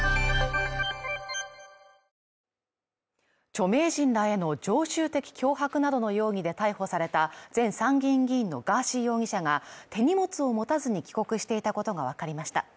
著名人らへの常習的脅迫などの容疑で逮捕された前参議院議員のガーシー容疑者が手荷物を持たずに帰国していたことがわかりました。